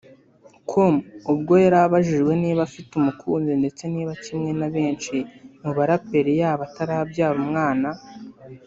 com ubwo yari abajijwe niba afite umukunzi ndetse niba kimwe na benshi mu baraperi yaba atarabyara umwana